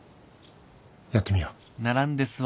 やってみよう。